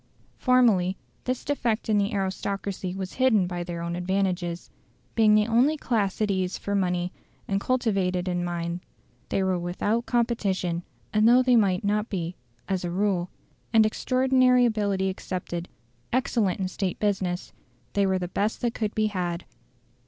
Formerly this defect in the aristocracy was hidden by their own advantages. Being the only class at ease for money and cultivated in mind they were without competition; and though they might not be, as a rule, and extraordinary ability excepted, excellent in State business, they were the best that could be had.